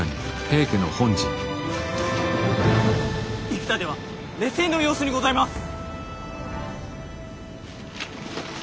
生田では劣勢の様子にございます！